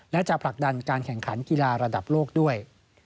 และจะผลักดันการแข่งขันกีฬาระดับโลกด้วย